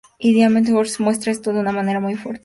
Y Damien Hirst muestra esto de una manera muy fuerte".